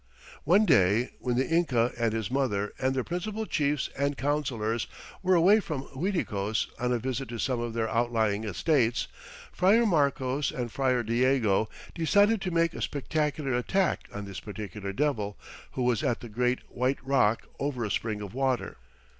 One day, when the Inca and his mother and their principal chiefs and counselors were away from Uiticos on a visit to some of their outlying estates, Friar Marcos and Friar Diego decided to make a spectacular attack on this particular Devil, who was at the great "white rock over a spring of water."